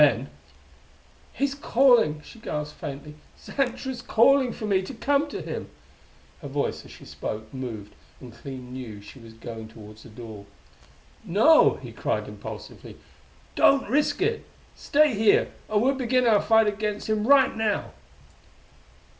Then "He's calling!" she gasped faintly. "Xantra's calling for me to come to him!" Her voice, as she spoke, moved, and Clee knew she was going towards the door. "No!" he cried impulsively. "Don't risk it! Stay here, and we'll begin our fight against him right now!"